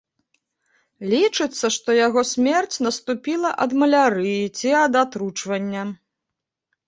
Лічыцца, што яго смерць наступіла ад малярыі ці ад атручвання.